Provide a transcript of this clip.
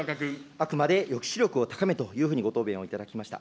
あくまで抑止力を高めるとご答弁をいただきました。